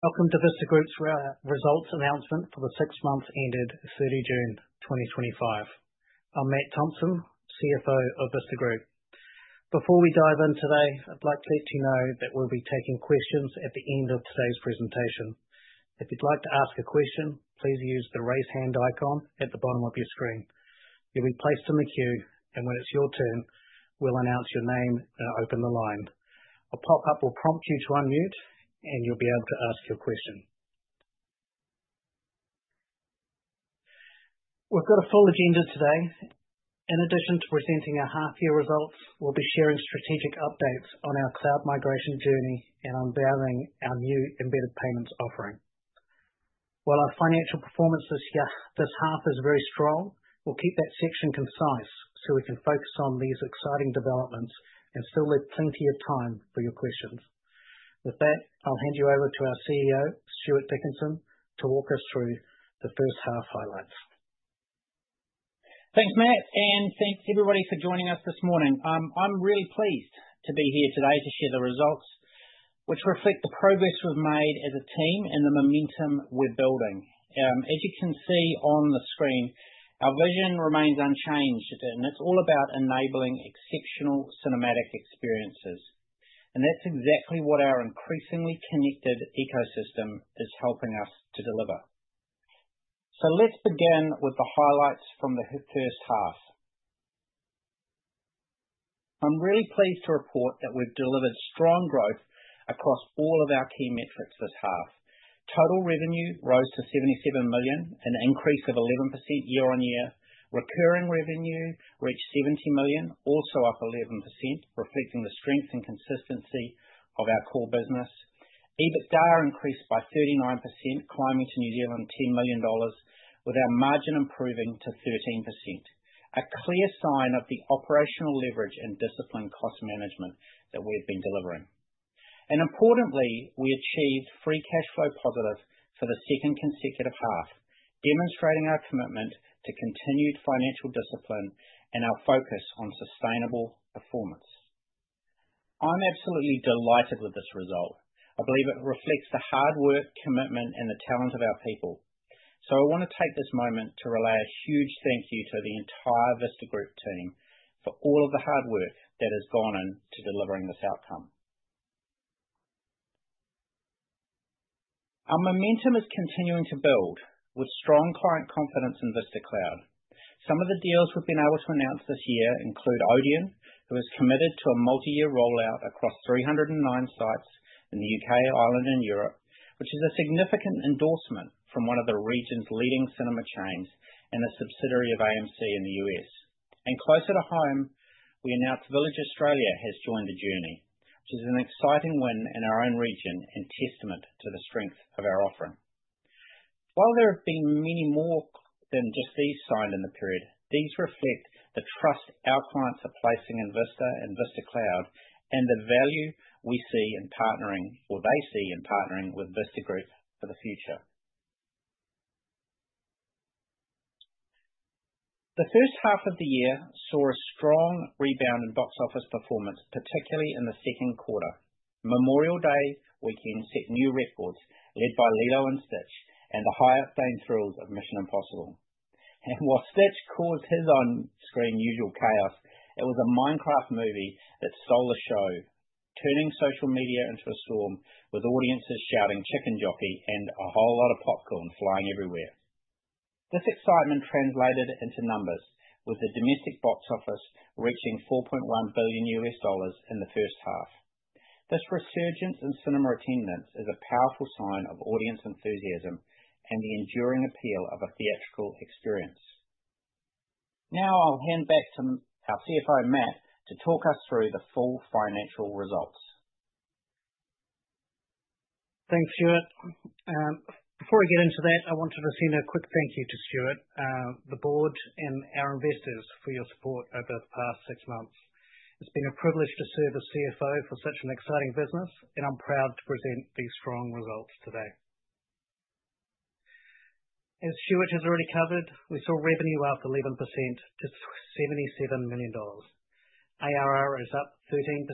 Welcome to Vista Group's Results announcement for the six months ended 30 June 2025. I'm Matt Thompson, CFO of Vista Group. Before we dive in today, I'd like you to know that we'll be taking questions at the end of today's presentation. If you'd like to ask a question, please use the raise hand icon at the bottom of your screen. You'll be placed in the queue, and when it's your turn, we'll announce your name and open the line. A pop-up will prompt you to unmute, and you'll be able to ask your question. We've got a full agenda today. In addition to presenting our half-year results, we'll be sharing strategic updates on our cloud migration journey and unveiling our new embedded payments offering. While our financial performance this half is very strong, we'll keep that section concise so we can focus on these exciting developments and still leave plenty of time for your questions. With that, I'll hand you over to our CEO, Stuart Dickinson, to walk us through the first half highlights. Thanks, Matt, and thanks everybody for joining us this morning. I'm really pleased to be here today to share the results, which reflect the progress we've made as a team and the momentum we're building. As you can see on the screen, our vision remains unchanged, and it's all about enabling exceptional cinematic experiences. That's exactly what our increasingly connected ecosystem is helping us to deliver. Let's begin with the highlights from the first half. I'm really pleased to report that we've delivered strong growth across all of our key metrics this half. Total revenue rose to $77 million, an increase of 11% year on year. Recurring revenue reached $70 million, also up 11%, repeating the strength and consistency of our core business. EBITDA increased by 39%, climbing to 10 million New Zealand dollars, with our margin improving to 13%. This is a clear sign of the operational leverage and disciplined cost management that we've been delivering. Importantly, we achieved free cash flow positives for the second consecutive half, demonstrating our commitment to continued financial discipline and our focus on sustainable performance. I'm absolutely delighted with this result. I believe it reflects the hard work, commitment, and the talent of our people. I want to take this moment to relay a huge thank you to the entire Vista Group team for all of the hard work that has gone into delivering this outcome. Our momentum is continuing to build with strong client confidence in Vista Cloud. Some of the deals we've been able to announce this year include Odeon, who is committed to a multi-year rollout across 309 sites in the UK, Ireland, and Europe, which is a significant endorsement from one of the region's leading cinema chains and a subsidiary of AMC in the U.S. Closer to home, we announce Village Australia has joined the journey, which is an exciting win in our own region and a testament to the strength of our offering. While there have been many more than just these signed in the period, these reflect the trust our clients are placing in Vista and Vista Cloud and the value they see in partnering with Vista Group for the future. The first half of the year saw a strong rebound in box office performance, particularly in the second quarter. Memorial Day weekend set new records led by "Lilo & Stitch" and the highest dang thrills of "Mission Impossible". While Stitch caused his on-screen usual chaos, it was "A Minecraft Movie" that stole the show, turning social media into a storm with audiences shouting "chicken jockey" and a whole lot of popcorn flying everywhere. This excitement translated into numbers, with the domestic box office reaching $4.1 billion in the first half. This resurgence in cinema attendance is a powerful sign of audience enthusiasm and the enduring appeal of a theatrical experience. Now I'll hand back to our CFO, Matt, to talk us through the full financial result. Thanks, Stuart. Before we get into that, I wanted to send a quick thank you to Stuart, the board, and our investors for your support over the past six months. It's been a privilege to serve as CFO for such an exciting business, and I'm proud to present these strong results today. As Stuart has already covered, we saw revenue up 11% to $77 million. ARR is up 13%,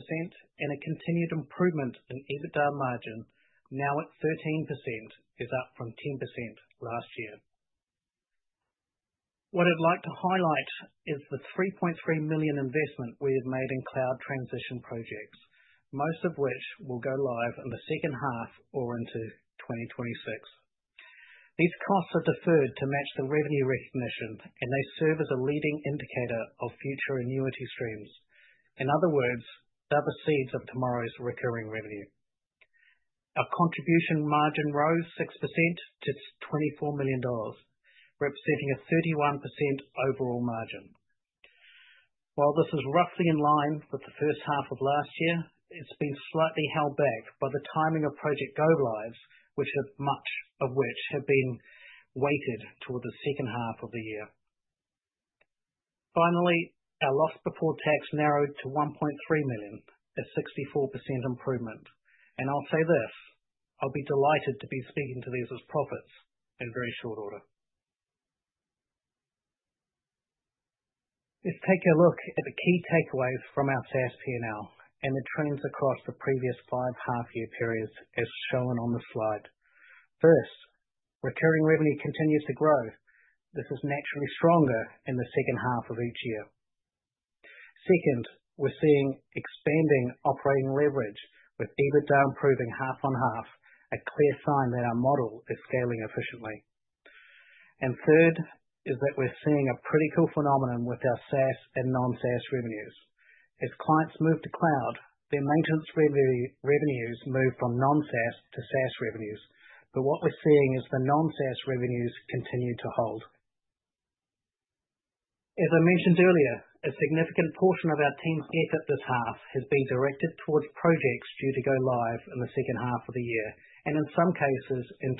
and a continued improvement in EBITDA margin now at 13%, up from 10% last year. What I'd like to highlight is the $3.3 million investment we have made in cloud transition projects, most of which will go live in the second half or into 2026. These costs are deferred to match the revenue recognition, and they serve as a leading indicator of future annuity streams. In other words, they're the seeds of tomorrow's recurring revenue. Our contribution margin rose 6% to $24 million, representing a 31% overall margin. While this is roughly in line with the first half of last year, it's been slightly held back by the timing of project go-lives, much of which have been weighted toward the second half of the year. Finally, our loss before tax narrowed to $1.3 million, a 64% improvement. I'll be delighted to be speaking to these with profits in very short order. Let's take a look at the key takeaways from our first year now and the trends across the previous five half-year periods, as shown on the slide. First, recurring revenue continues to grow. This is naturally stronger in the second half of each year. Second, we're seeing expanding operating leverage with EBITDA improving half on half, a clear sign that our model is scaling efficiently. Third is that we're seeing a pretty cool phenomenon with our SaaS and non-SaaS revenues. As clients move to cloud, their maintenance revenues move from non-SaaS to SaaS revenues. What we're seeing is the non-SaaS revenues continue to hold. As I mentioned earlier, a significant portion of our team's effort this half has been directed towards projects due to go live in the second half of the year, and in some cases in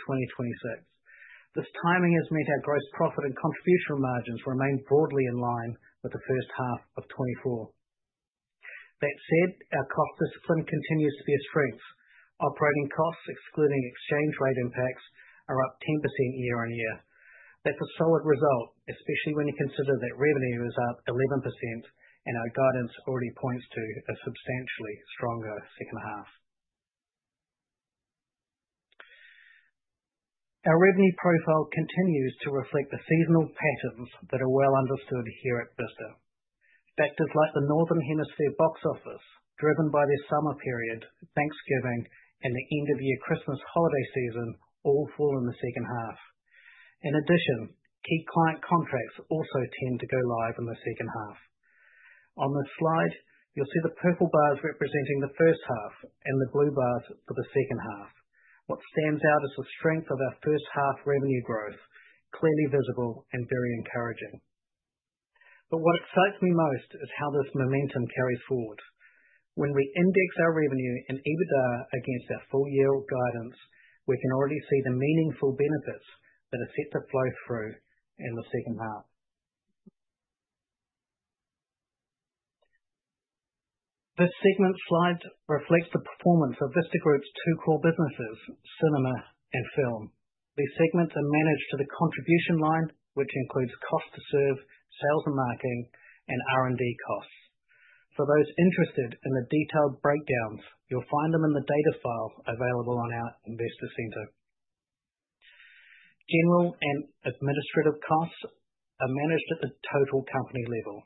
2026. This timing has meant our gross profit and contribution margins remain broadly in line with the first half of 2024. That said, our cost discipline continues to be a strength. Operating costs, excluding exchange rate impacts, are up 10% year on year. That's a solid result, especially when you consider that revenue is up 11%, and our guidance already points to a substantially stronger second half. Our revenue profile continues to reflect the seasonal patterns that are well understood here at Vista. Factors like the Northern Hemisphere box office, driven by the summer period, Thanksgiving, and the end-of-year Christmas holiday season, all fall in the second half. In addition, key client contracts also tend to go live in the second half. On the slide, you'll see the purple bars representing the first half and the blue bars for the second half. What stands out is the strength of our first-half revenue growth, clearly visible and very encouraging. What excites me most is how this momentum carries forward. When we index our revenue and EBITDA against our full yield guidance, we can already see the meaningful benefits that are set to flow through in the second half. This segment slide reflects the performance of Vista Group's two core businesses, Cinema and Film. These segments are managed to the contribution line, which includes cost to serve, sales and marketing, and R&D costs. For those interested in the detailed breakdowns, you'll find them in the data files available on our Investor Center. General and administrative costs are managed at the total company level.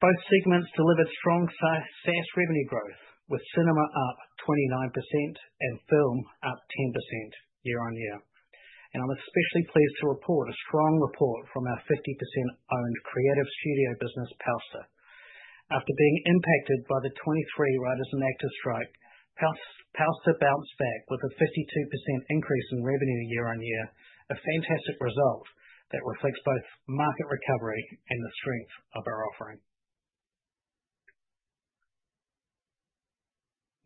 Both segments delivered strong SaaS revenue growth, with Cinema up 29% and Film up 10% year on year. I'm especially pleased to report a strong report from our 50%-owned creative studio business, Powster. After being impacted by the 2023 writers and actors strike, Powster bounced back with a 52% increase in revenue year on year, a fantastic result that reflects both market recovery and the strength of our offering.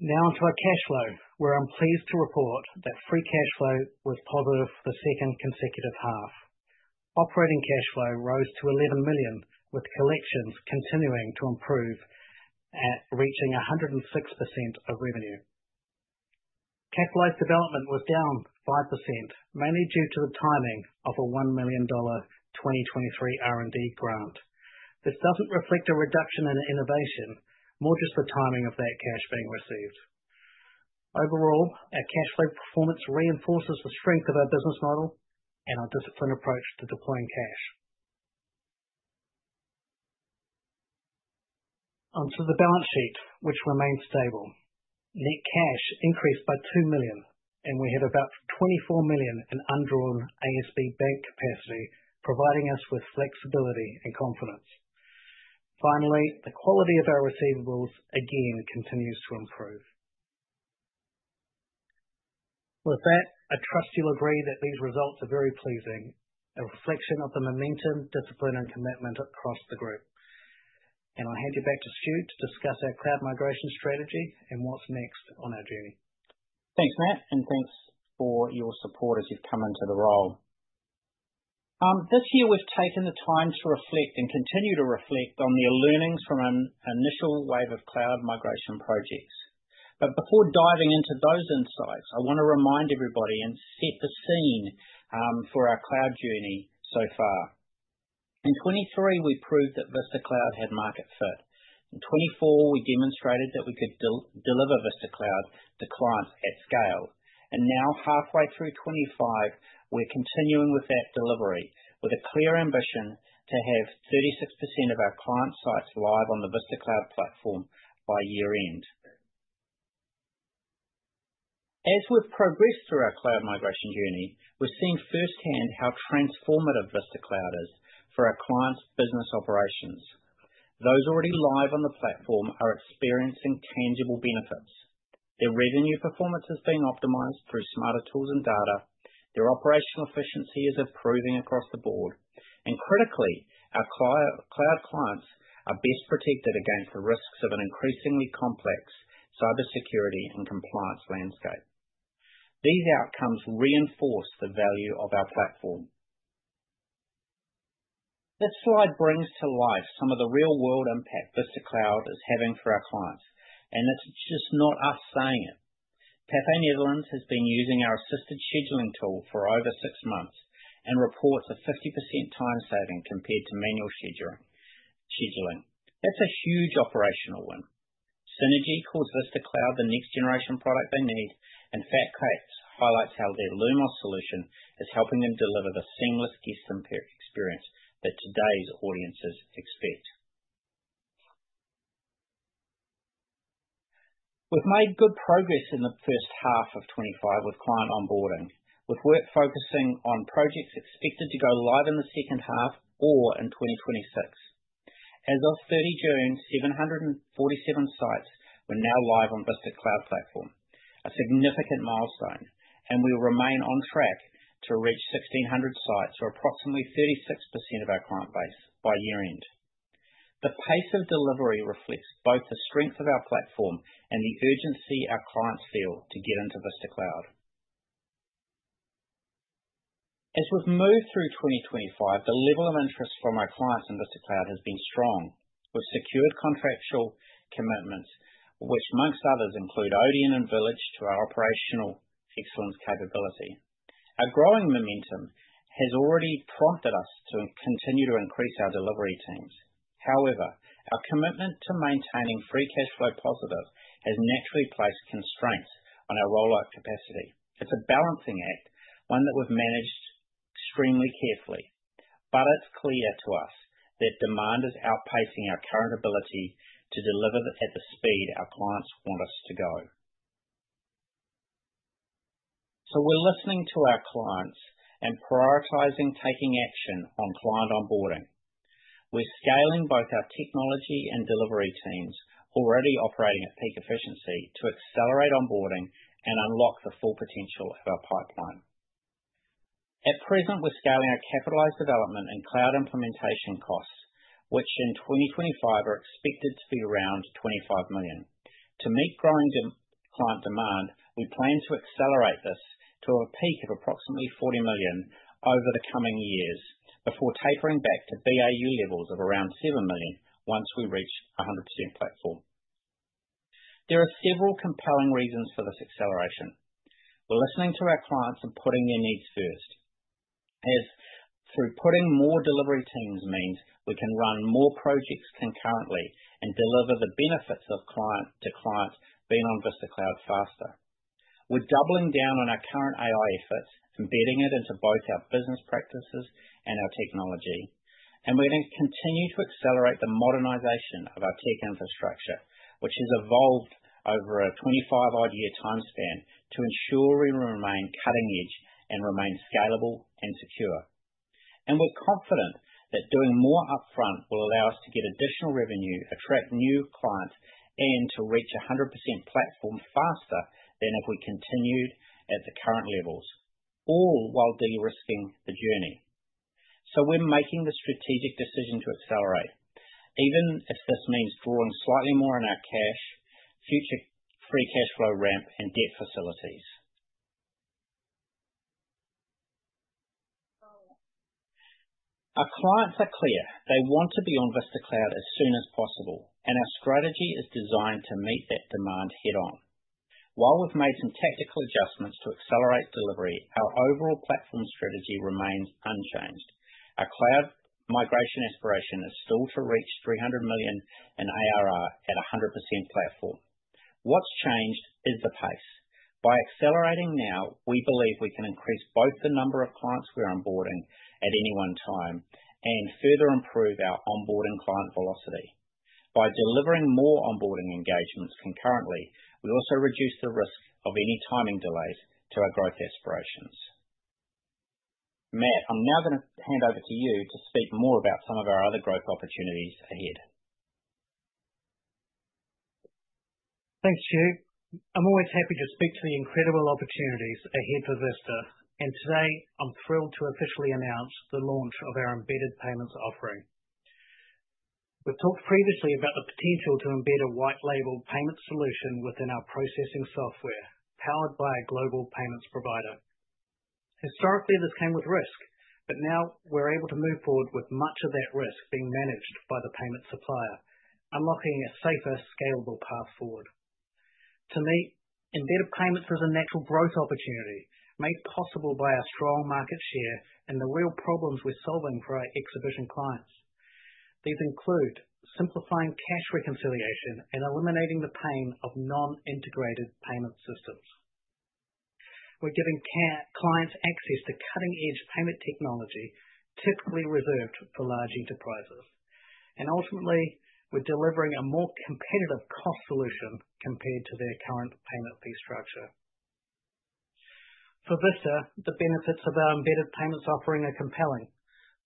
Now onto our cash flow, where I'm pleased to report that free cash flow was positive for the second consecutive half. Operating cash flow rose to $11 million, with collections continuing to improve at reaching 106% of revenue. Capitalized development was down 5%, mainly due to the timing of a $1 million 2023 R&D grant. This doesn't reflect a reduction in innovation, more just the timing of that cash being received. Overall, our cash flow performance reinforces the strength of our business model and our disciplined approach to deploying cash. Onto the balance sheet, which remains stable. Net cash increased by $2 million, and we have about $24 million in undrawn ASB bank capacity, providing us with flexibility and confidence. Finally, the quality of our receivables again continues to improve. With that, I trust you'll agree that these results are very pleasing, a reflection of the momentum, discipline, and commitment across the group. I'll hand you back to Stuart to discuss our cloud migration strategy and what's next on our journey. Thanks, Matt, and thanks for your support as you've come into the role. This year, we've taken the time to reflect and continue to reflect on the learnings from our initial wave of cloud migration projects. Before diving into those insights, I want to remind everybody and set the scene for our cloud journey so far. In 2023, we proved that Vista Cloud had market fit. In 2024, we demonstrated that we could deliver Vista Cloud to clients at scale. Now, halfway through 2025, we're continuing with that delivery with a clear ambition to have 36% of our client sites live on the Vista Cloud platform by year-end. As we've progressed through our cloud migration journey, we're seeing firsthand how transformative Vista Cloud is for our clients' business operations. Those already live on the platform are experiencing tangible benefits. Their revenue performance has been optimized through smarter tools and data. Their operational efficiency is improving across the board. Critically, our cloud clients are best protected against the risks of an increasingly complex cybersecurity and compliance landscape. These outcomes reinforce the value of our platform. This slide brings to life some of the real-world impact Vista Cloud is having for our clients, and it's just not us saying it. Pathé Netherlands has been using our assisted scheduling tool for over six months and reports a 50% time saving compared to manual scheduling. That's a huge operational win. Cinergy calls Vista Cloud the next-generation product they need, and FatCats highlights how their Lumos solution is helping them deliver the seamless guest experience that today's audiences expect. We've made good progress in the first half of 2025 with client onboarding, with work focusing on projects expected to go live in the second half or in 2026. As of 30 June, 747 sites were now live on Vista Cloud platform, a significant milestone, and we will remain on track to reach 1,600 sites or approximately 36% of our client base by year-end. The pace of delivery reflects both the strength of our platform and the urgency our clients feel to get into Vista Cloud. As we've moved through 2025, the level of interest from our clients in Vista Cloud has been strong, with secured contractual commitments, which amongst others include Odeon and Village to our operational excellence capability. Our growing momentum has already prompted us to continue to increase our delivery teams. However, our commitment to maintaining free cash flow positive has naturally placed constraints on our rollout capacity. It's a balancing act, one that we've managed extremely carefully. It's clear to us that demand is outpacing our current ability to deliver at the speed our clients want us to go. We're listening to our clients and prioritizing taking action on client onboarding. We're scaling both our technology and delivery teams, already operating at peak efficiency, to accelerate onboarding and unlock the full potential of our pipeline. At present, we're scaling our capitalized development and cloud implementation costs, which in 2025 are expected to be around $25 million. To meet growing client demand, we plan to accelerate this to a peak of approximately $40 million over the coming years before tapering back to BAU levels of around $7 million once we reach a 100% platform. There are several compelling reasons for this acceleration. We're listening to our clients and putting their needs first. As we're putting more delivery teams, it means we can run more projects concurrently and deliver the benefits of client to client being on Vista Cloud faster. We're doubling down on our current AI efforts, embedding it into both our business practices and our technology. We're going to continue to accelerate the modernization of our tech infrastructure, which has evolved over a 25-year time span, to ensure we remain cutting-edge and remain scalable and secure. We're confident that doing more upfront will allow us to get additional revenue, attract new clients, and to reach a 100% platform faster than if we continued at the current levels, all while de-risking the journey. We're making the strategic decision to accelerate, even if this means drawing slightly more in our cash, future free cash flow ramp, and debt facilities. Our clients are clear. They want to be on Vista Cloud as soon as possible, and our strategy is designed to meet that demand head-on. While we've made some technical adjustments to accelerate delivery, our overall platform strategy remains unchanged. Our cloud migration aspiration is still to reach $300 million in ARR at a 100% platform. What's changed is the pace. By accelerating now, we believe we can increase both the number of clients we're onboarding at any one time and further improve our onboarding client velocity. By delivering more onboarding engagements concurrently, we also reduce the risk of any timing delays to our growth aspirations. Matt, I'm now going to hand over to you to speak more about some of our other growth opportunities ahead. Thanks, Stu. I'm always happy to speak to the incredible opportunities ahead for Vista. Today, I'm thrilled to officially announce the launch of our embedded payments offering. We've talked previously about the potential to embed a white-label payment solution within our processing software powered by a global payments provider. Historically, this came with risk, but now we're able to move forward with much of that risk being managed by the payment supplier, unlocking a safer, scalable path forward. To me, embedded payments is a natural growth opportunity made possible by our strong market share and the real problems we're solving for our exhibition clients. These include simplifying cash reconciliation and eliminating the pain of non-integrated payment systems. We're giving clients access to cutting-edge payment technology typically reserved for large enterprises. Ultimately, we're delivering a more competitive cost solution compared to their current payment fee structure. For Vista, the benefits of our embedded payments offering are compelling.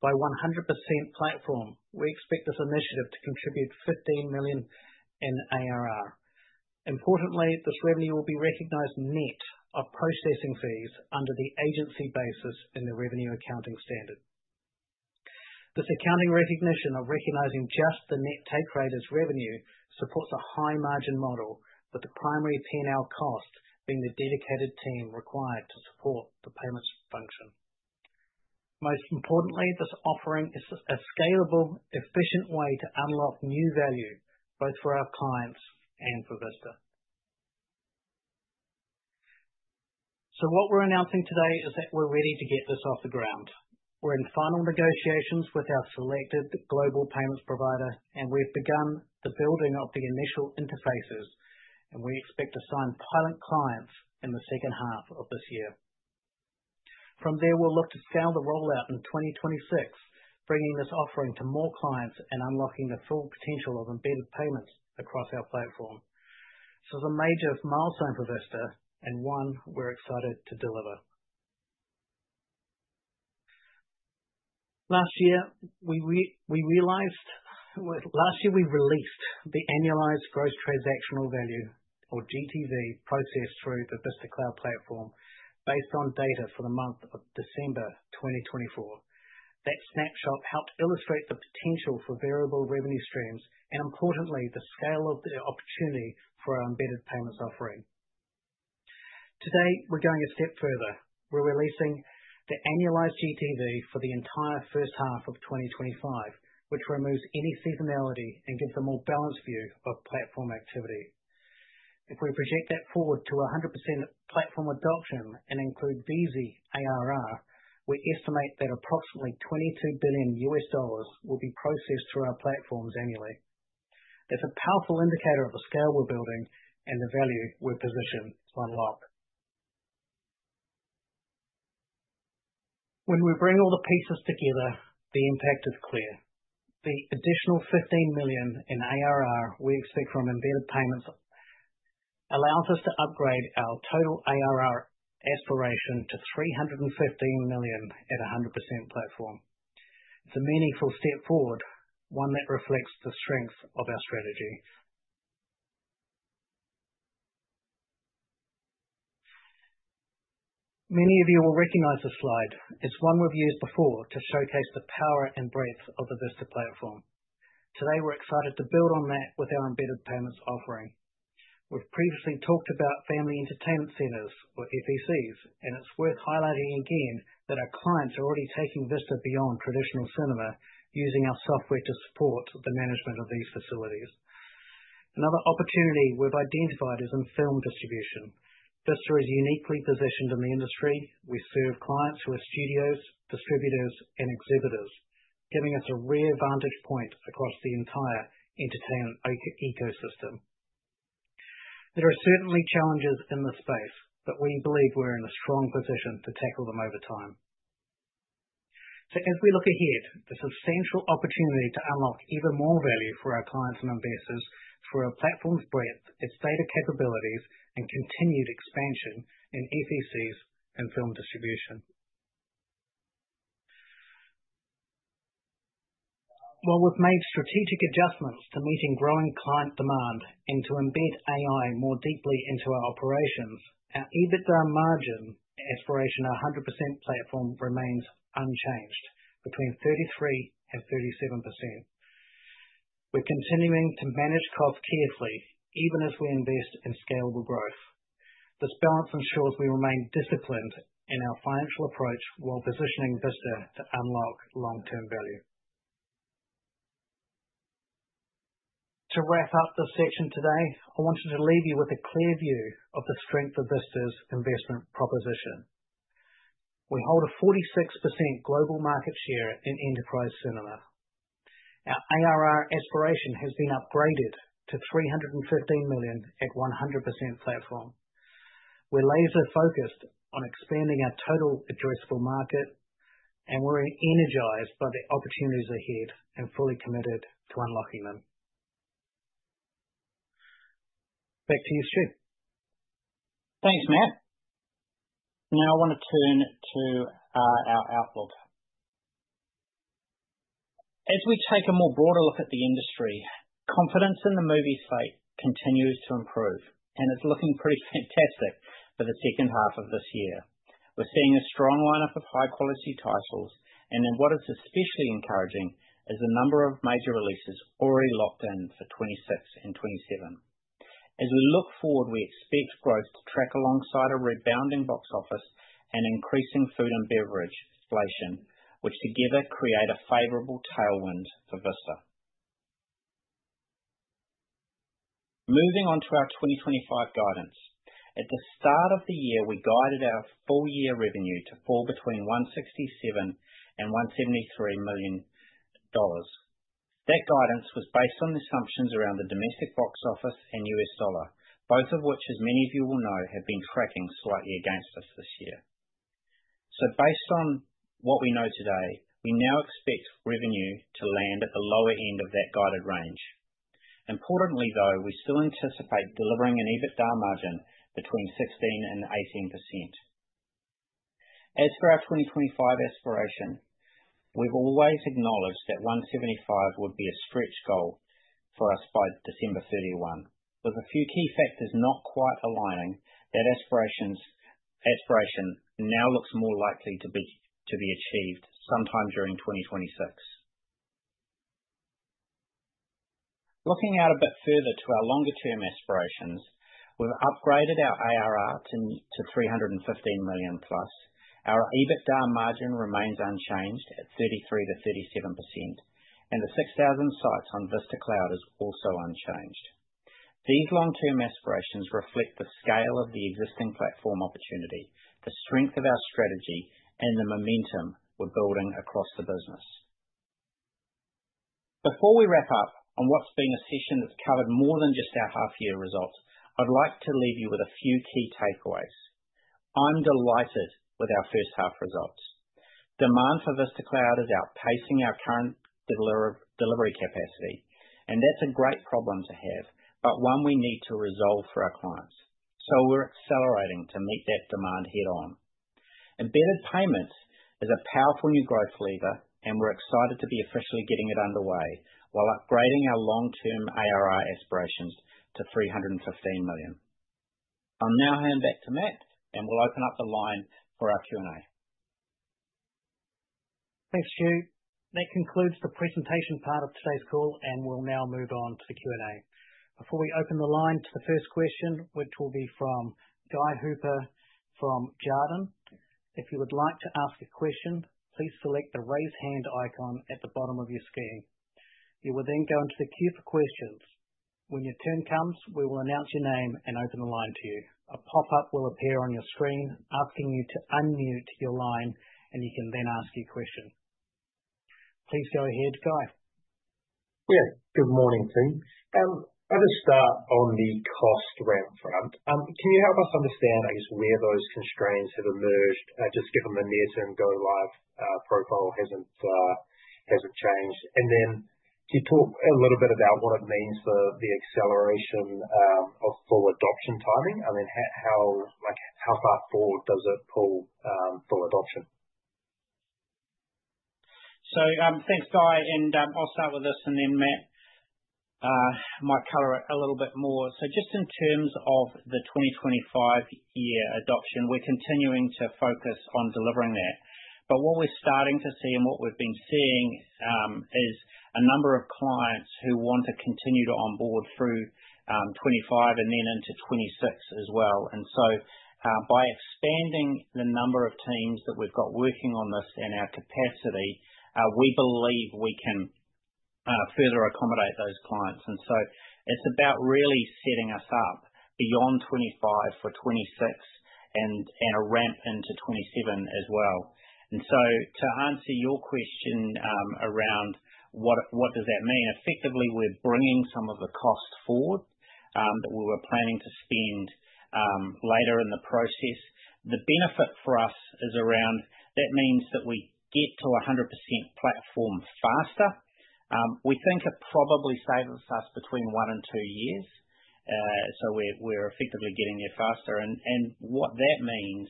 By 100% platform, we expect this initiative to contribute $15 million in ARR. Importantly, this revenue will be recognized net of processing fees under the agency basis in the revenue accounting standard. This accounting recognition of recognizing just the net take rate as revenue supports the high margin model, with the primary ten-hour cost being the dedicated team required to support the payments function. Most importantly, this offering is a scalable, efficient way to unlock new value both for our clients and for Vista. What we're announcing today is that we're ready to get this off the ground. We're in final negotiations with our selected global payments provider, and we've begun the building of the initial interfaces. We expect to sign pilot clients in the second half of this year. From there, we'll look to scale the rollout in 2026, bringing this offering to more clients and unlocking the full potential of embedded payments across our platform. This is a major milestone for Vista and one we're excited to deliver. Last year, we released the annualized gross transactional value, or GTV, processed through the Vista Cloud platform based on data for the month of December 2024. That snapshot helped illustrate the potential for variable revenue streams and, importantly, the scale of the opportunity for our embedded payments offering. Today, we're going a step further. We're releasing the annualized GTV for the entire first half of 2025, which removes any seasonality and gives a more balanced view of platform activity. If we project that forward to 100% platform adoption and include Veezi ARR, we estimate that approximately $22 billion will be processed through our platforms annually. That's a powerful indicator of the scale we're building and the value we're positioned to unlock. When we bring all the pieces together, the impact is clear. The additional $15 million in ARR we expect from embedded payments allows us to upgrade our total ARR aspiration to $315 million at a 100% platform. It's a meaningful step forward, one that reflects the strength of our strategy. Many of you will recognize this slide. It's one we've used before to showcase the power and breadth of the Vista platform. Today, we're excited to build on that with our embedded payments offering. We've previously talked about Family Entertainment Centers, or FECs, and it's worth highlighting again that our clients are already taking Vista beyond traditional cinema, using our software to support the management of these facilities. Another opportunity we've identified is in film distribution. Vista is uniquely positioned in the industry. We serve clients who are studios, distributors, and exhibitors, giving us a rare vantage point across the entire entertainment ecosystem. There are certainly challenges in this space, but we believe we're in a strong position to tackle them over time. As we look ahead, this is a central opportunity to unlock even more value for our clients and investors through our platform's breadth, its state of capabilities, and continued expansion in EPCs and film distribution. While we've made strategic adjustments to meeting growing client demand and to embed AI more deeply into our operations, our EBITDA margin aspiration at 100% platform remains unchanged, between 33% and 37%. We're continuing to manage costs carefully, even as we invest in scalable growth. This balance ensures we remain disciplined in our financial approach while positioning Vista to unlock long-term value. To wrap up this section today, I wanted to leave you with a clear view of the strength of Vista's investment proposition. We hold a 46% global market share in enterprise cinema. Our ARR aspiration has been upgraded to 315 million at 100% platform. We're laser-focused on expanding our total addressable market, and we're energized by the opportunities ahead and fully committed to unlocking them. Back to you, Stu. Thanks, Matt. Now I want to turn to our outlook. As we take a broader look at the industry, confidence in the movie site continues to improve and is looking pretty fantastic for the second half of this year. We're seeing a strong lineup of high-quality titles, and what is especially encouraging is the number of major releases already locked in for 2026 and 2027. As we look forward, we expect growth to track alongside a rebounding box office and increasing food and beverage inflation, which together create a favorable tailwind for Vista. Moving on to our 2025 guidance. At the start of the year, we guided our full-year revenue to fall between $167 million and $173 million. That guidance was based on assumptions around the domestic box office and U.S. dollar, both of which, as many of you will know, have been cracking slightly against us this year. Based on what we know today, we now expect revenue to land at the lower end of that guided range. Importantly, though, we still anticipate delivering an EBITDA margin between 16% and 18%. As per our 2025 aspiration, we've always acknowledged that $175 million would be a stretch goal for us by December 31. With a few key factors not quite aligning, that aspiration now looks more likely to be achieved sometime during 2026. Looking out a bit further to our longer-term aspirations, we've upgraded our ARR to $315 million+. Our EBITDA margin remains unchanged at 33%-37%, and the 6,000 sites on Vista Cloud is also unchanged. These long-term aspirations reflect the scale of the existing platform opportunity, the strength of our strategy, and the momentum we're building across the business. Before we wrap up on what's been a session that's covered more than just our half-year results, I'd like to leave you with a few key takeaways. I'm delighted with our first half results. Demand for Vista Cloud is outpacing our current delivery capacity, and that's a great problem to have, but one we need to resolve for our clients. We're accelerating to meet that demand head-on. Embedded payments is a powerful new growth lever, and we're excited to be officially getting it underway while upgrading our long-term ARR aspirations to $315 million. I'll now hand back to Matt, and we'll open up the line for our Q&A. Thanks, Stu. That concludes the presentation part of today's call, and we'll now move on to the Q&A. Before we open the line to the first question, which will be from Guy Hooper from Jarden, if you would like to ask a question, please select the raise hand icon at the bottom of your screen. You will then go and secure for questions. When your turn comes, we will announce your name and open the line to you. A pop-up will appear on your screen asking you to unmute your line, and you can then ask your question. Please go ahead, Guy. Good morning, team. I just start on the cost ramp front. Can you help us understand, I guess, where those constraints have emerged just given the near-term go live profile hasn't changed? Could you talk a little bit about what it means for the acceleration of full adoption timing? I mean, how far forward does it pull full adoption? Thank you, Guy. I'll start with this and then Matt might cover a little bit more. In terms of the 2025 year adoption, we're continuing to focus on delivering that. What we're starting to see and what we've been seeing is a number of clients who want to continue to onboard through 2025 and then into 2026 as well. By expanding the number of teams that we've got working on this and our capacity, we believe we can further accommodate those clients. It's about really setting us up beyond 2025 for 2026 and a ramp into 2027 as well. To answer your question around what that means, effectively, we're bringing some of the costs forward that we were planning to spend later in the process. The benefit for us is that we get to 100% platform faster. We think it probably saves us between one and two years. We're effectively getting there faster. What that means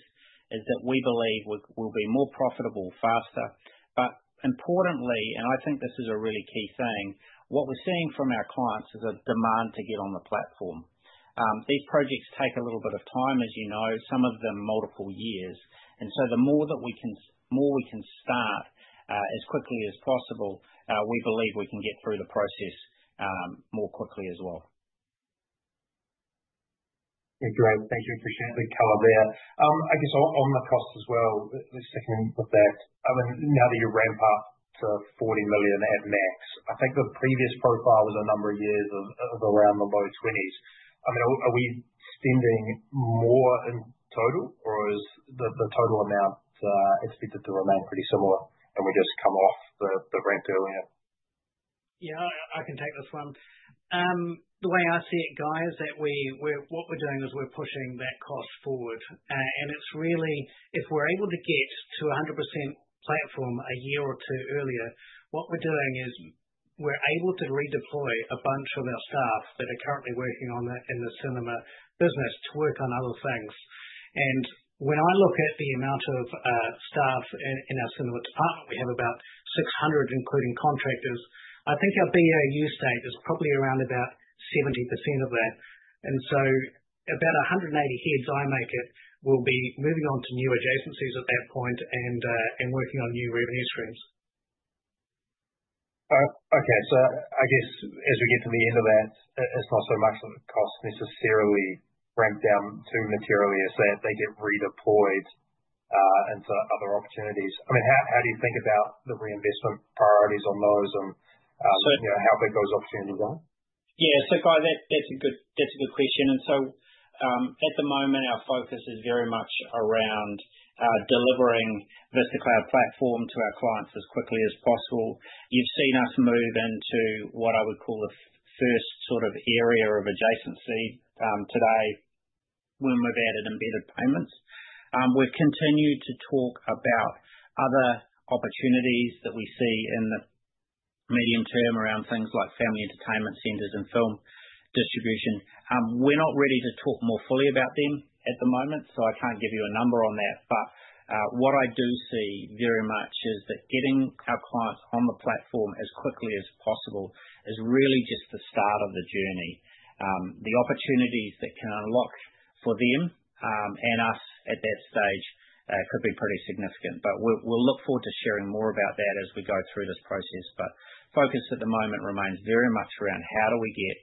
is that we believe we'll be more profitable faster. Importantly, and I think this is a really key thing, what we're seeing from our clients is a demand to get on the platform. These projects take a little bit of time, as you know, some of them multiple years. The more that we can start as quickly as possible, we believe we can get through the process more quickly as well. Yeah, great, thank you, appreciate the color there. I guess on the cost as well, just sticking with that, I mean, now that you ramp up to $40 million at max, I think the previous profile with a number of years of around the low $20 millions, I mean, are we spending more in total, or is the total amount expected to remain pretty similar and we just come off the ramp earlier? Yeah, I can take this one. The way I see it, Guy, is that what we're doing is we're pushing that cost forward. It's really, if we're able to get to 100% platform a year or two earlier, what we're doing is we're able to redeploy a bunch of our staff that are currently working on the Cinema business to work on other things. When I look at the amount of staff in our Cinema department, we have about 600, including contractors. I think our BAU state is probably around about 70% of that, so about 180 kids, I make it, will be moving on to new adjacencies at that point and working on new revenue streams. As we get to the end of that, it's not so much that the cost necessarily ramps down too materially as that they get redeployed into other opportunities. I mean, how do you think about the reinvestment priorities on those and how big those opportunities are? Yeah, that's a good question. At the moment, our focus is very much around delivering Vista Cloud platform to our clients as quickly as possible. You've seen us move into what I would call the first sort of area of adjacency today when we've added embedded payments. We've continued to talk about other opportunities that we see in the medium term around things like Family Entertainment Centers and film distribution. We're not ready to talk more fully about them at the moment, so I can't give you a number on that. What I do see very much is that getting our clients on the platform as quickly as possible is really just the start of the journey. The opportunities that can unlock for them and us at that stage could be pretty significant. We'll look forward to sharing more about that as we go through this process. Focus at the moment remains very much around how do we get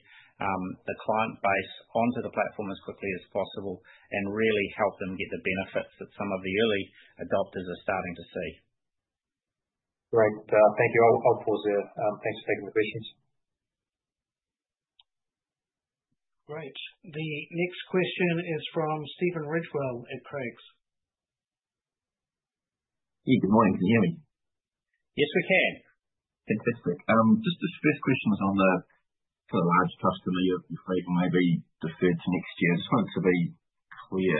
the client base onto the platform as quickly as possible and really help them get the benefits that some of the early adopters are starting to see. Great. Thank you. I'll pause there. Thanks for taking the questions. Great. The next question is from Stephen Ridgewell at Craigs. Hey, good morning. Can you hear me? Yes, we can. Just the first question was for the large customer you're afraid will maybe defer to next year. I just wanted to be clear.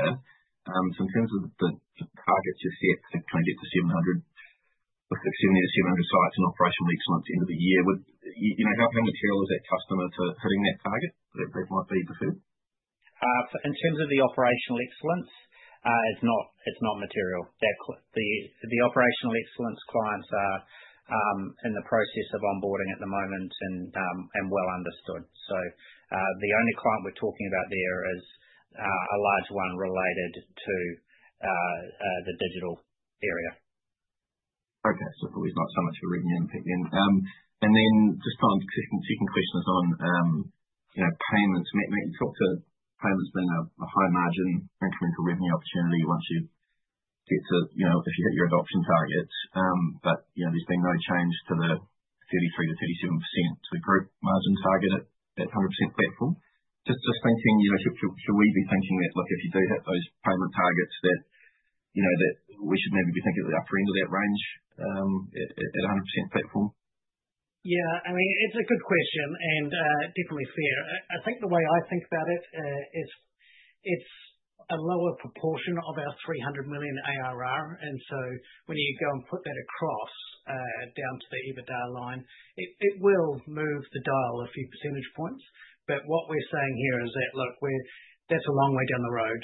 In terms of the target to set 600-700, let's assume there's 700 sites in operation week one at the end of the year, would you know, does that ring a bell as a customer for hitting that target that it might be to fill? In terms of the operational excellence, it's not material. The operational excellence clients are in the process of onboarding at the moment and well understood. The only client we're talking about there is a large one related to the digital area. Okay. Probably not so much for revenue impact then. Just trying to trick and cheating question is on payments. You talked to payments being a high-margin incremental revenue opportunity once you get to, you know, if you hit your adoption targets. You know there's been no change to the 33%-37% growth margin target at 100% platform. That's the same thing. Should we be thinking that if you do hit those targets that we should maybe be thinking about offering that range at 100% platform? Yeah. I mean, it's a good question and definitely fair. I think the way I think about it is it's a lower proportion of our $300 million ARR. When you go and put that across down to the EBITDA line, it will move the dial a few percentage points. What we're saying here is that, look, that's a long way down the road.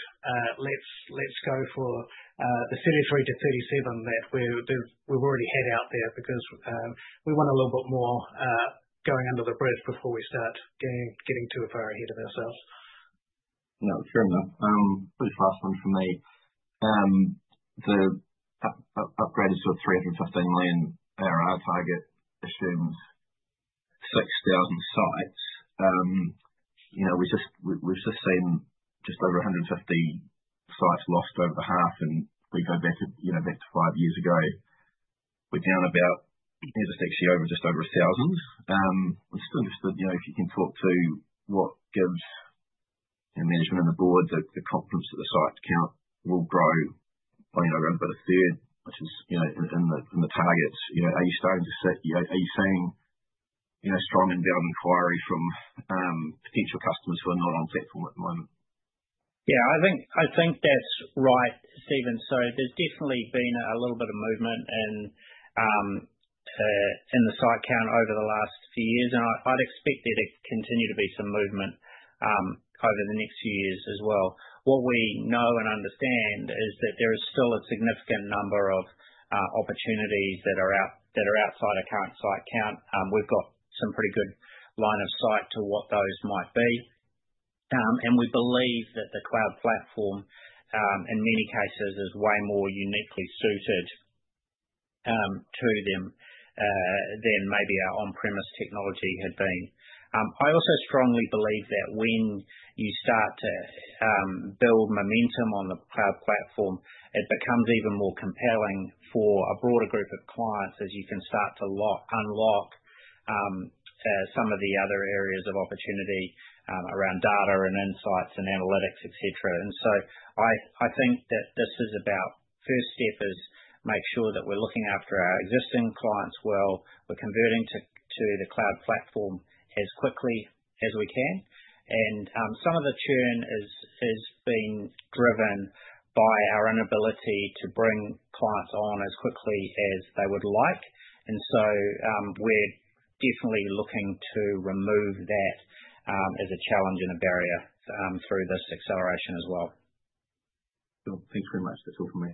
Let's go for the 33%-37% that we've already had out there because we want a little bit more going under the breath before we start getting too far ahead of ourselves. No, sure enough. I'm just asking from the upgrade to a $315 million ARR target, assumed 6,000 site. We've just seen just over 150 sites lost over the half and they got evicted five years ago. We're down about nearly six years, just over 1,000. I'm still interested if you can talk to what Debs and management on the board at the conference that the sites count will grow by November 3rd. This is, you know, in the targets. You know, are you starting to see are you seeing a strong inbound inquiry from potential customers who are not on platform at the moment? I think that's right, Stephen. There's definitely been a little bit of movement in the site count over the last few years. I'd expect there to continue to be some movement over the next few years as well. What we know and understand is that there is still a significant number of opportunities that are outside of current site count. We've got some pretty good line of sight to what those might be. We believe that the cloud platform, in many cases, is way more uniquely suited to them than maybe our on-premise technology had been. I also strongly believe that when you start to build momentum on the cloud platform, it becomes even more compelling for a broader group of clients as you can start to unlock some of the other areas of opportunity around data, insights, and analytics, etc. I think that the first step is to make sure that we're looking after our existing clients while we're converting to the cloud platform as quickly as we can. Some of the churn is being driven by our inability to bring clients on as quickly as they would like. We're definitely looking to remove that as a challenge and a barrier through this acceleration as well. Thanks very much. That's all from me.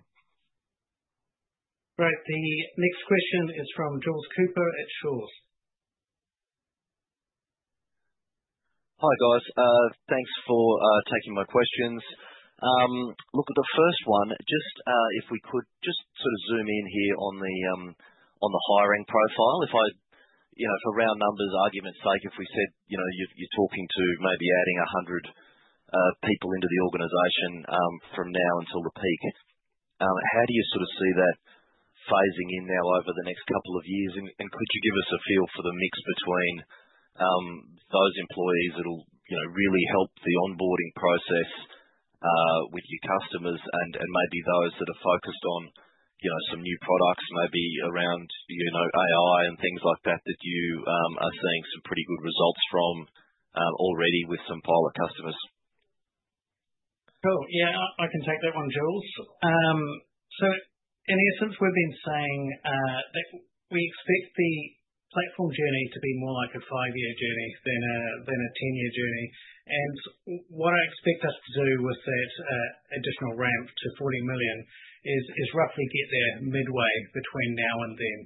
Right. The next question is from Jules Cooper at Shaw. Hi, guys. Thanks for taking my questions. Look at the first one. If we could just sort of zoom in here on the hiring profile. If I, you know, for round numbers arguments, like if we said, you know, you're talking to maybe adding 100 people into the organization from now until the peak, how do you sort of see that phasing in now over the next couple of years? Could you give us a feel for the mix between those employees that will really help the onboarding process with your customers and maybe those that are focused on, you know, some new products, maybe around, you know, AI and things like that that you are seeing some pretty good results from already with some pilot customers? Oh, yeah, I can take that one, Jules. In essence, we've been saying that we expect the platform journey to be more like a five-year journey than a 10-year journey. What I expect us to do with that additional ramp to $40 million is roughly get there midway between now and then.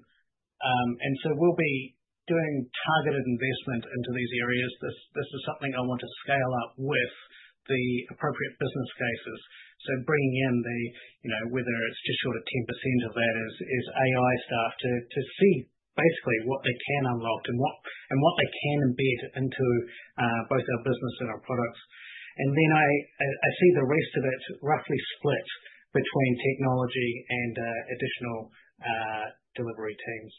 We'll be doing targeted investment into these areas. This is something I want to scale up with the appropriate business cases. Bringing in, you know, whether it's just short of 10% of that is AI staff to see basically what they can unlock and what they can embed into both our business and our products. I see the rest of it roughly split between technology and additional delivery teams.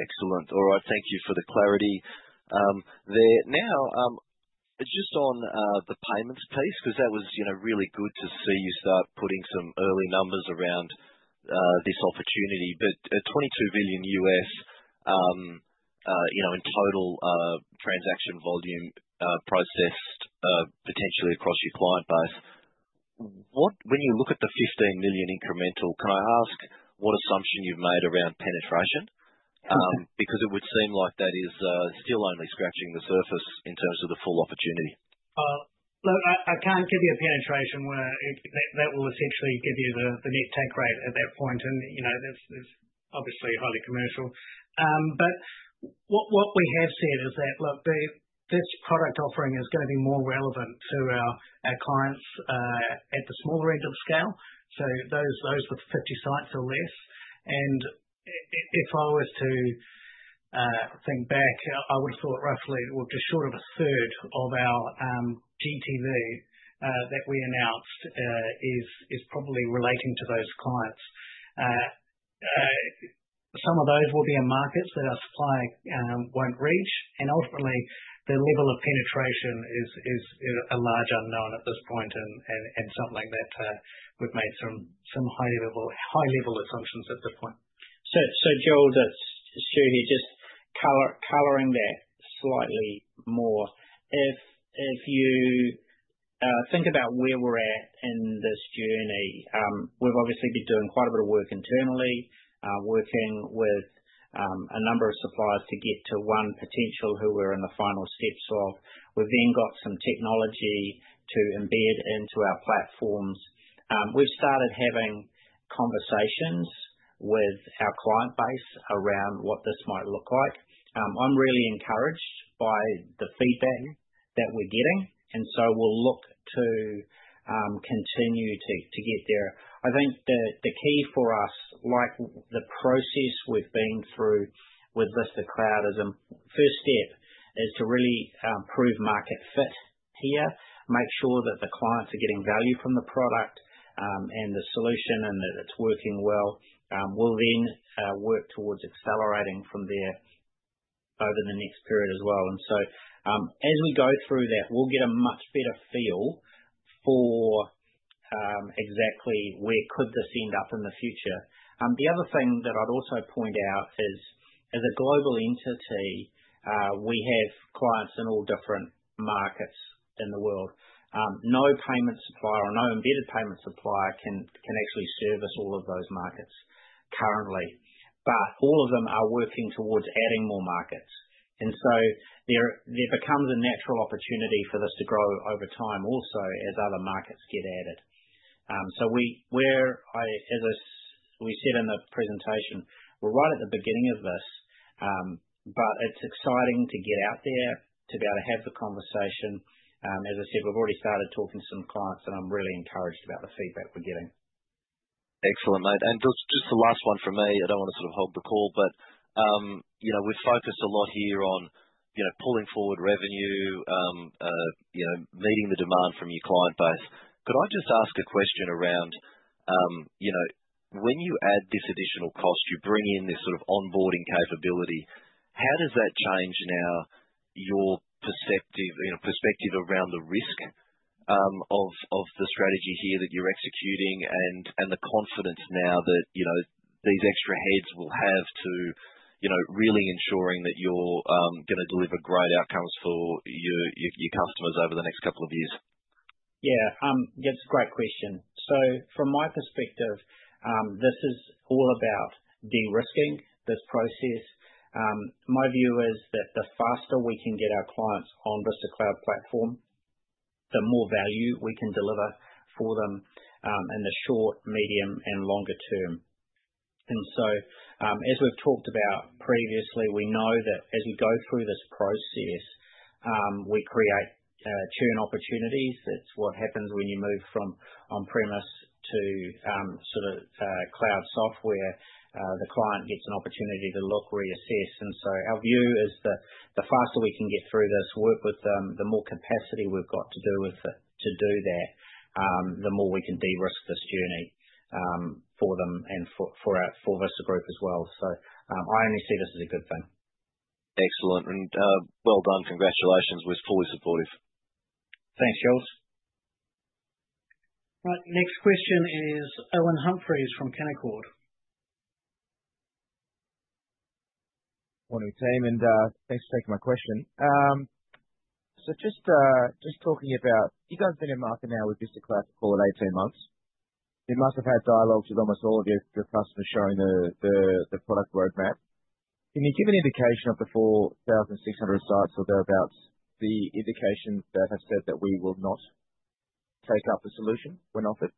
Excellent. All right. Thank you for the clarity there. Now, just on the payments piece, because that was really good to see you start putting some early numbers around this opportunity. At $22 billion in total transaction volume processed potentially across your client base, when you look at the $15 million incremental, can I ask what assumption you've made around penetration? It would seem like that is still only scratching the surface in terms of the full opportunity. Look, I can't give you a penetration where that will essentially give you the net take rate at that point. You know, that's obviously highly commercial. What we have said is that, look, this product offering is going to be more relevant to our clients at the smaller end of scale, so those with 50 sites or less. If I was to think back, I would have thought roughly it would be short of a third of our GTV that we announced is probably relating to those clients. Some of those will be in markets that our supply won't reach. Ultimately, the level of penetration is a large unknown at this point and something that we've made some high-level assumptions at this point. Jules, just covering that slightly more, as you think about where we're at in this journey, we've obviously been doing quite a bit of work internally, working with a number of suppliers to get to one potential who we're in the final steps of. We've then got some technology to embed into our platforms. We've started having conversations with our client base around what this might look like. I'm really encouraged by the feedback that we're getting, and we'll look to continue to get there. I think the key for us, like the process we've been through with Vista Cloud, is the first step is to really prove market fit here, make sure that the clients are getting value from the product and the solution and that it's working well. We'll then work towards accelerating from there over the next period as well. As we go through that, we'll get a much better feel for exactly where could this end up in the future. The other thing that I'd also point out is, as a global entity, we have clients in all different markets in the world. No payment supplier or no embedded payment supplier can actually service all of those markets currently. All of them are working towards adding more markets, and there becomes a natural opportunity for this to grow over time also as other markets get added. As we said in the presentation, we're right at the beginning of this, but it's exciting to get out there, to be able to have the conversation. As I said, we've already started talking to some clients, and I'm really encouraged about the feedback we're getting. Excellent, mate. Just the last one for me, I don't want to sort of hold the call, but you know we've focused a lot here on pulling forward revenue, meeting the demand from your client base. Could I just ask a question around when you add this additional cost, you bring in this sort of onboarding capability, how does that change now your perspective around the risk of the strategy here that you're executing and the confidence now that these extra heads will have to really ensuring that you're going to deliver great outcomes for your customers over the next couple of years? That's a great question. From my perspective, this is all about de-risking this process. My view is that the faster we can get our clients on Vista Cloud platform, the more value we can deliver for them in the short, medium, and longer term. As we've talked about previously, we know that as you go through this process, we create churn opportunities. That's what happens when you move from on-premise to sort of cloud software. The client gets an opportunity to look, reassess. Our view is that the faster we can get through this, work with them, the more capacity we've got to do that, the more we can de-risk this journey for them and for Vista Group as well. I only see this as a good thing. Excellent. Congratulations. We're fully supportive. Thanks, Jules. Right. Next question is Owen Humphries from Canaccord. Morning, team, and thanks for taking my question. Just talking about you guys have been in market now with Vista Cloud for 18 months. You must have had dialogues with almost all of your customers showing the product roadmap. Can you give an indication of the 4,600 sites or thereabouts, the indication that has said that we will not take up the solution when offered?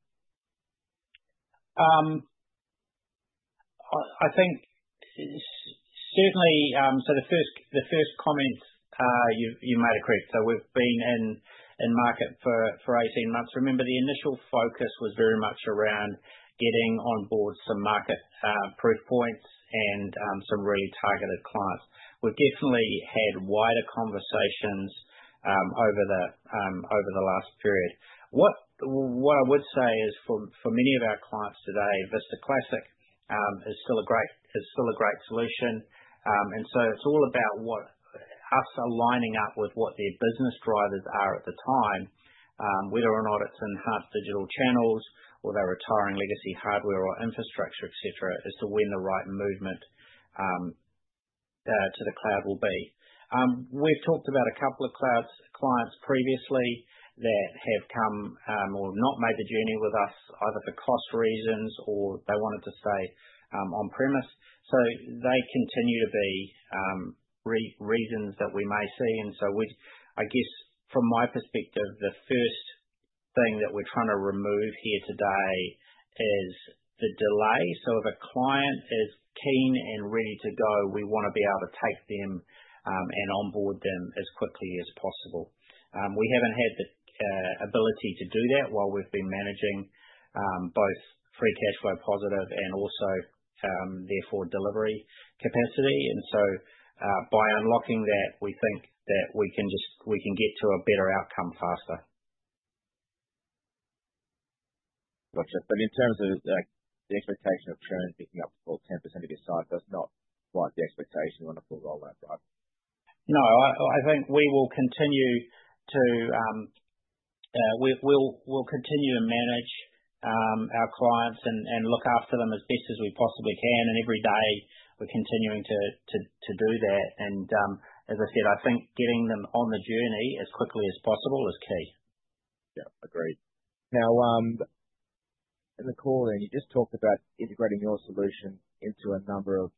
I think definitely, the first comments you made are correct. We've been in market for 18 months. Remember, the initial focus was very much around getting on board some market proof points and some really targeted clients. We've definitely had wider conversations over the last period. What I would say is for many of our clients today, Vista Classic is still a great solution. It's all about us aligning up with what their business drivers are at the time, whether or not it's in hot digital channels, whether they're retiring legacy hardware or infrastructure, etc., as to when the right movement to the cloud will be. We've talked about a couple of clients previously that have come or not made the journey with us either for cost reasons or they wanted to stay on-premise. They continue to be reasons that we may see. From my perspective, the first thing that we're trying to remove here today is the delay. If a client is keen and ready to go, we want to be able to take them and onboard them as quickly as possible. We haven't had the ability to do that while we've been managing both free cash flow positive and also therefore delivery capacity. By unlocking that, we think that we can get to a better outcome faster. Gotcha. In terms of the expectation of churn picking up for 10% of your sites, that's not quite the expectation on a full rollout, right? I think we will continue to manage our clients and look after them as best as we possibly can. Every day, we're continuing to do that. As I said, I think getting them on the journey as quickly as possible is key. Yeah, agreed. Now, in the call, you just talked about integrating your solution into a number of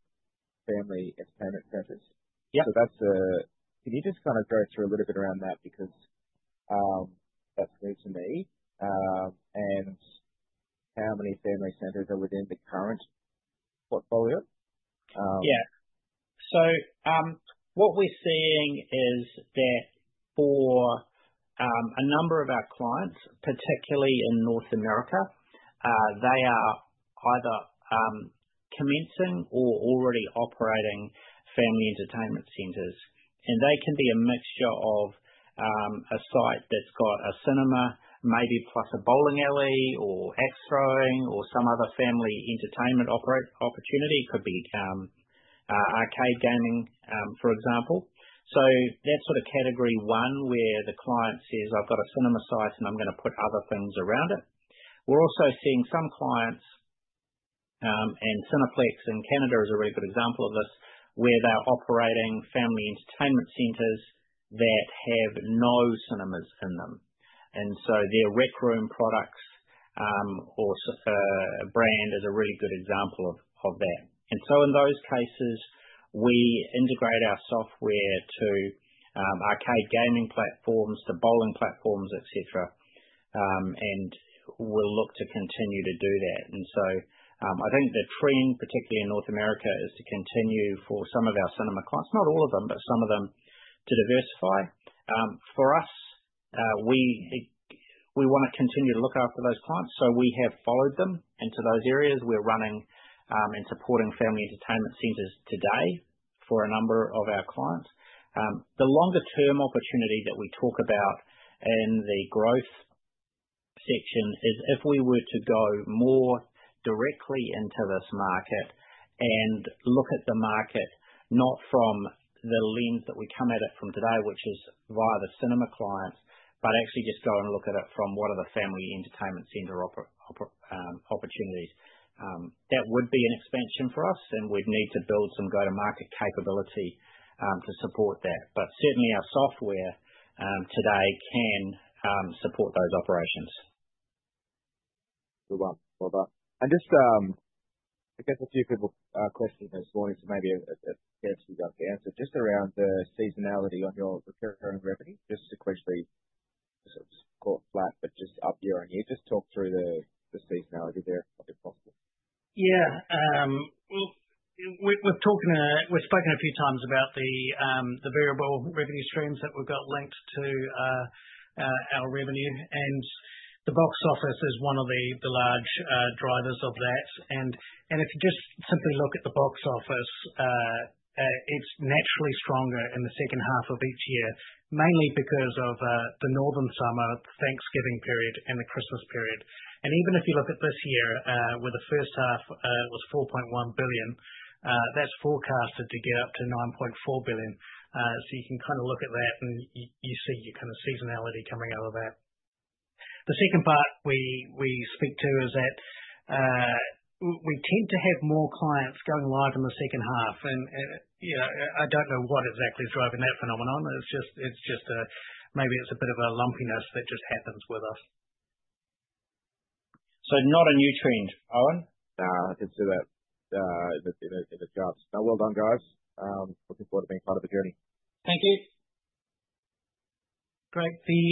Family Entertainment Centers. Yep. Can you just kind of go through a little bit around that because that's new to me, and how Family Entertainment Centers are within the current portfolio? Yeah. What we're seeing is that for a number of our clients, particularly in North America, they are either commencing or already operating Family Entertainment Centers. They can be a mixture of a site that's got a cinema, maybe like a bowling alley or outgrowing or some other family entertainment opportunity. It could be arcade gaming, for example. That's what a category one where the client says, "I've got a cinema site and I'm going to put other things around it." We're also seeing some clients, and Cineplex in Canada is a really good example of this, where they're operating Family Entertainment Centers that have no cinemas in them. Their Rec Room products or a brand is a really good example of that. In those cases, we integrate our software to arcade gaming platforms, to bowling platforms, etc. We'll look to continue to do that. I think the three, particularly in North America, is to continue for some of our cinema clients, not all of them, but some of them, to diversify. For us, we want to continue to look after those clients, so we have followed them into those areas. We're running and supporting Family Entertainment Centers today for a number of our clients. The longer-term opportunity that we talk about in the growth section is if we were to go more directly into this market and look at the market not from the lens that we come at it from today, which is via the cinema clients, but actually just go and look at it from what are the family entertainment center opportunities. That would be an expansion for us and would need to build some go-to-market capability to support that. Certainly, our software today can support those operations. Thank you. Just a couple of people questioned this morning, so maybe a few minutes we'd like to answer just around the seasonality on your recurring revenue. Just to quickly, because it's quite flat, but just up year on year, just talk through the seasonality there if possible. Yeah. We've spoken a few times about the variable revenue streams that we've got linked to our revenue. The box office is one of the large drivers of that. If you just simply look at the box office, it's naturally stronger in the second half of each year, mainly because of the Northern Summer, the Thanksgiving period, and the Christmas period. Even if you look at this year, where the first half was $4.1 billion, that's forecasted to get up to $9.4 billion. You can kind of look at that and you see your kind of seasonality coming out of that. The second part we speak to is that we tend to have more clients going live in the second half. I don't know what exactly is driving that phenomenon. Maybe it's a bit of a lumpiness that just happens with us. Not a new trend, Owen. I can see that in a chance. Well done, guys. Looking forward to being part of the journey. Thank you. Great. The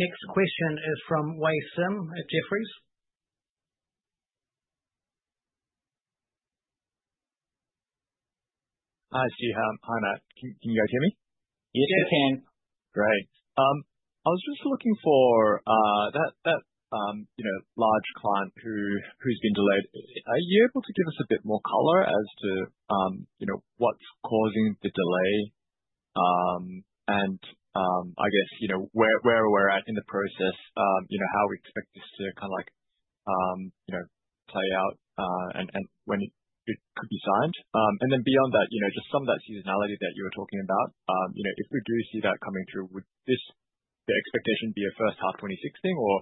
next question is from Wei Sim at Jefferies. Hi, Stu. Hi, Matt. Can you guys hear me? Yes, we can. Great. I was just looking for that large client who's been delayed. Are you able to give us a bit more color as to what's causing the delay and I guess where we're at in the process, you know how we expect this to kind of like play out and when it could be signed? Beyond that, you know just some of that seasonality that you were talking about, you know if we do see that coming through, would the expectation be a first half 2026 or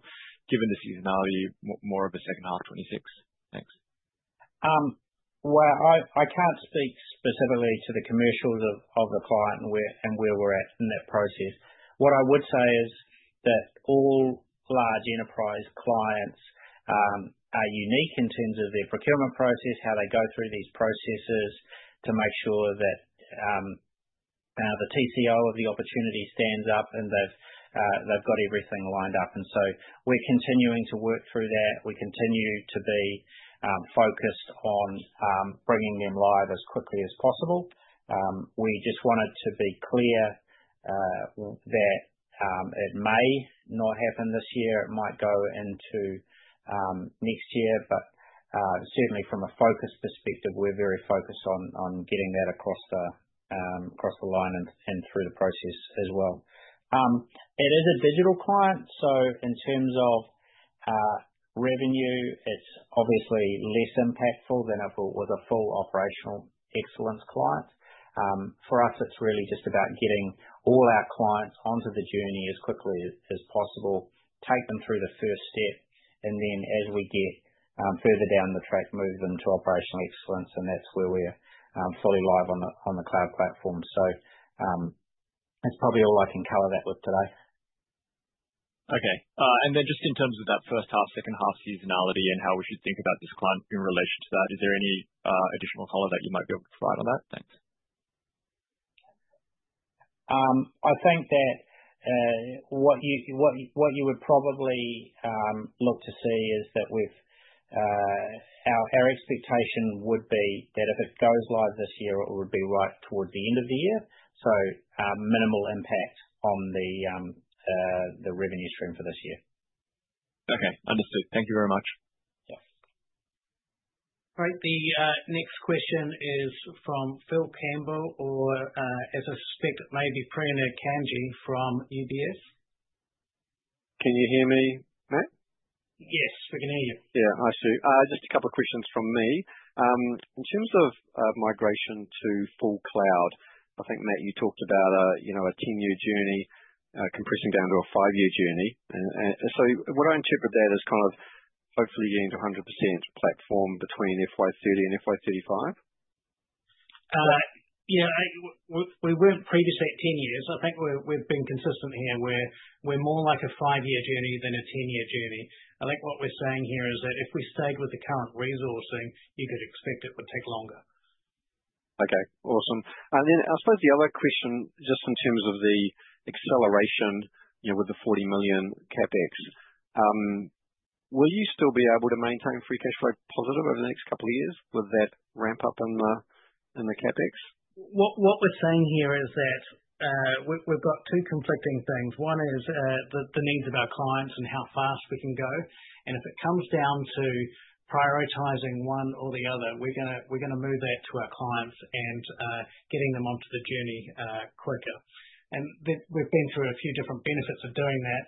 given the seasonality more of a second half 2026? Thanks. I can't speak specifically to the commercials of the client and where we're at in that process. What I would say is that all large enterprise clients are unique in terms of their procurement process, how they go through these processes to make sure that the TCO of the opportunity stands up and they've got everything lined up. We are continuing to work through that. We continue to be focused on bringing them live as quickly as possible. We just wanted to be clear that it may not happen this year. It might go into next year. Certainly, from a focus perspective, we're very focused on getting that across the line and through the process as well. It is a digital client. In terms of revenue, it's obviously less impactful than if it was a full operational excellence client. For us, it's really just about getting all our clients onto the journey as quickly as possible, take them through the first step, and then as we get further down the track, move them to operational excellence. That's where we're fully live on the cloud platform. That's probably all I can cover that with today. Okay. In terms of that first half, second half seasonality and how we should think about this client in relation to that, is there any additional color that you might be able to provide on that? Thanks. I think that what you would probably look to see is that our expectation would be that if it goes live this year, it would be right towards the end of the year, so minimal impact on the revenue stream for this year. Okay, understood. Thank you very much. Great. The next question is from Phil Campbell or, as I suspect, maybe Prerna Kanji from UBS. Can you hear me, Matt? Yes, we can hear you. Yeah, hi Stu. Just a couple of questions from me. In terms of migration to full cloud, I think, Matt, you talked about a 10-year journey compressing down to a five-year journey. Would I interpret that as kind of hopefully getting to 100% platform between FY 2030 and FY 2035? Yeah. We weren't previously at 10 years. I think we've been consistent here where we're more like a five-year journey than a 10-year journey. I think what we're saying here is that if we stayed with the current resourcing, you could expect it would take longer. Okay. Awesome. I suppose the other question just in terms of the acceleration, with the $40 million CapEx, will you still be able to maintain free cash flow positive over the next couple of years with that ramp up in the CapEx? What we're saying here is that we've got two conflicting things. One is the needs of our clients and how fast we can go. If it comes down to prioritizing one or the other, we're going to move that to our clients and getting them onto the journey quicker. We've been through a few different benefits of doing that.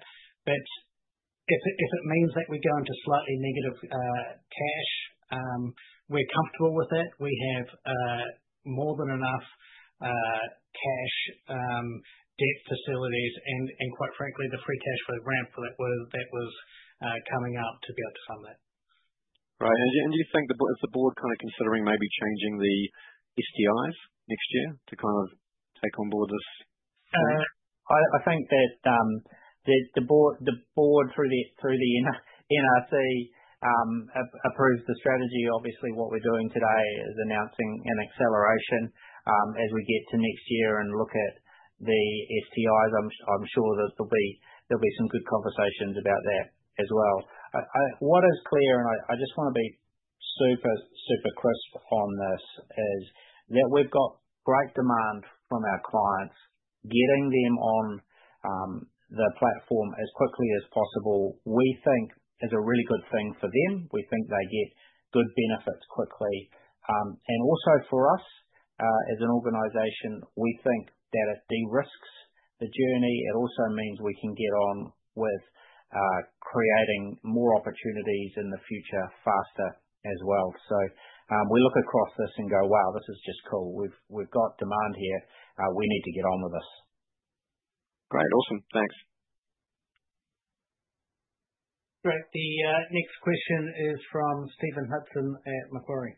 If it means that we go into slightly negative cash, we're comfortable with that. We have more than enough cash, debt facilities, and quite frankly, the free cash flow ramp that was coming up to be able to fund that. Right. Do you think that if the board is considering maybe changing the STIs next year to take on board this? I think that the board, through the NRC, approves the strategy. Obviously, what we're doing today is announcing an acceleration as we get to next year and look at the STIs. I'm sure that there'll be some good conversations about that as well. What is clear, and I just want to be super, super crisp on this, is that we've got great demand from our clients. Getting them on the platform as quickly as possible, we think, is a really good thing for them. We think they get good benefits quickly. Also, for us as an organization, we think that it de-risks the journey. It also means we can get on with creating more opportunities in the future faster as well. We look across this and go, "Wow, this is just cool. We've got demand here. We need to get on with this. Great. Awesome. Thanks. Great. The next question is from Stephen Hudson at Macquarie.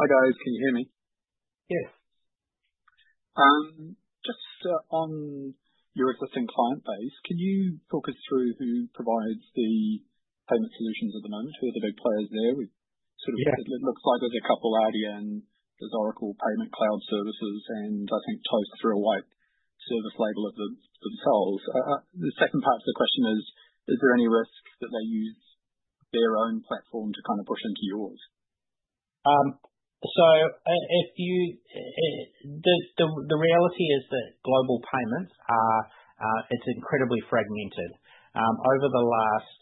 Hi, guys. Can you hear me? Yes. Just on your existing client base, can you talk us through who provides the payment solutions at the moment? Who are the big players there? We think it looks like there's a couple of Adyen, there's Oracle Payment Cloud Services, and I think Eftsure are like with a flavor of themselves. The second part of the question is, is there any risks that they use their own platform to kind of push into yours? The reality is that global payments, it's incredibly fragmented. Over the last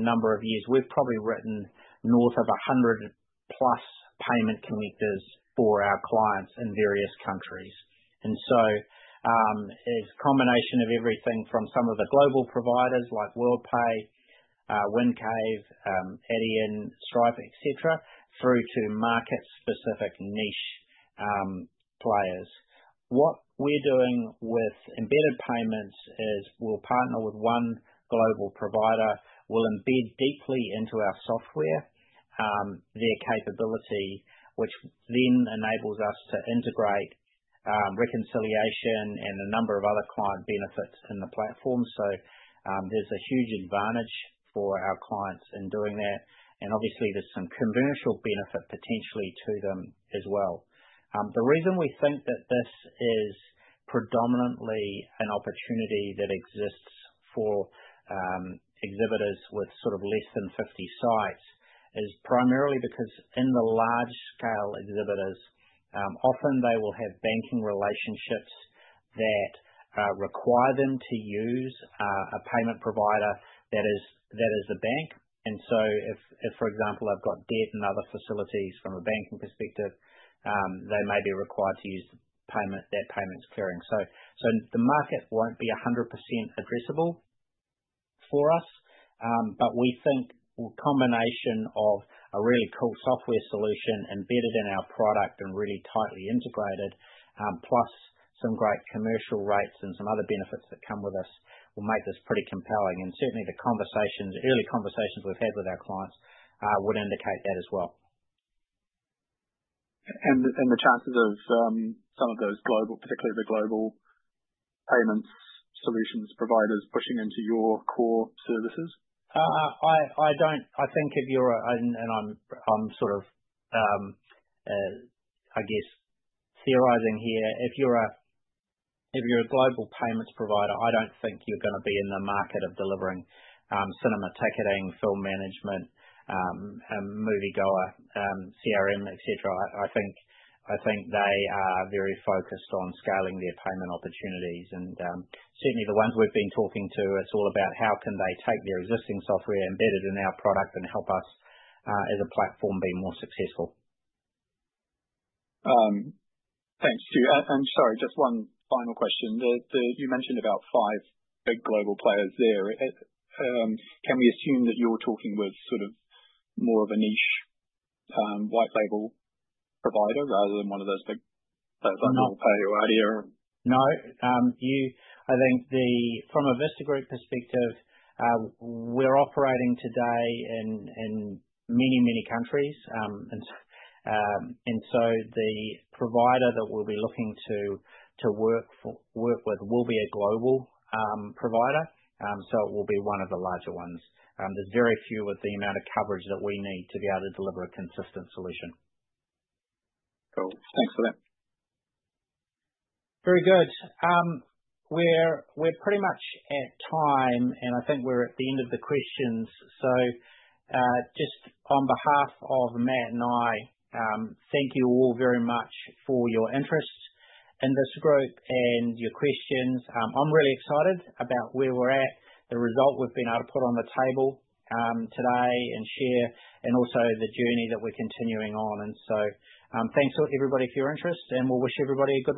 number of years, we've probably written north of 100-plus payment connectors for our clients in various countries. It's a combination of everything from some of the global providers like WorldPay, WindCave, Adyen, Stripe, etc., through to market-specific niche players. What we're doing with embedded payments is we'll partner with one global provider. We'll embed deeply into our software their capability, which then enables us to integrate reconciliation and a number of other client benefits in the platform. There's a huge advantage for our clients in doing that. Obviously, there's some commercial benefit potentially to them as well. The reason we think that this is predominantly an opportunity that exists for exhibitors with less than 50 sites is primarily because in the large-scale exhibitors, often they will have banking relationships that require them to use a payment provider that is a bank. If, for example, I've got debt and other facilities from a banking perspective, they may be required to use the payment that payment's carrying. The market won't be 100% addressable for us. We think a combination of a really cool software solution embedded in our product and really tightly integrated, plus some great commercial rates and some other benefits that come with us, will make this pretty compelling. Certainly, the early conversations we've had with our clients would indicate that as well. are the chances of some of those global, particularly the global payments solutions providers, pushing into your core services? I think if you're a, and I'm sort of, I guess, theorizing here, if you're a global payments provider, I don't think you're going to be in the market of delivering cinema ticketing, film management, and Moviegoer, CRM, etc. I think they are very focused on scaling their payment opportunities. The ones we've been talking to, it's all about how can they take their existing software embedded in our product and help us, as a platform, be more successful. Thanks, Stu. Sorry, just one final question. You mentioned about five big global players there. Can we assume that you're talking with sort of more of a niche white label provider rather than one of those big players like WorldPay or Adiya? No. I think from a Vista Group perspective, we're operating today in many, many countries. The provider that we'll be looking to work with will be a global provider. It will be one of the larger ones. There are very few with the amount of coverage that we need to be able to deliver a consistent solution. Cool, thanks for that. Very good. We're pretty much at time, and I think we're at the end of the questions. Just on behalf of Matt and I, thank you all very much for your interest in this group and your questions. I'm really excited about where we're at, the result we've been able to put on the table today and share, and also the journey that we're continuing on. Thanks to everybody for your interest, and we'll wish everybody a good.